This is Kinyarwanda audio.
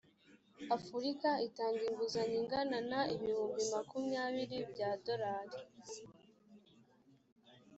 afurika itanga inguzanyo ingana na ibihumbi makumyabiri byadorari.